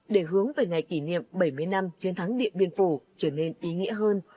để hướng về ngày kỷ niệm bảy mươi năm chiến thắng điện biên phủ trở nên ý nghĩa hơn